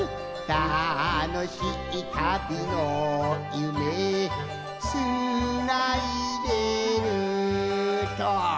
「たのしいたびのゆめつないでる」と。